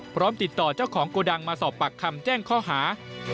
พร้อมติดต่อเจ้าของโกดังมาสอบปากคำแจ้งข้อหา